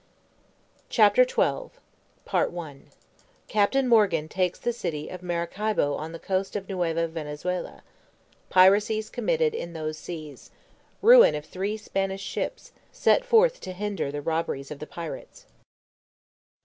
CHAPTER XII _Captain Morgan takes the city of Maracaibo on the coast of Neuva Venezuela Piracies committed in those seas Ruin of three Spanish ships, set forth to hinder the robberies of the pirates.